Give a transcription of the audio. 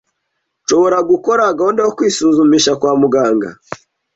Nshobora gukora gahunda yo kwisuzumisha kwa muganga?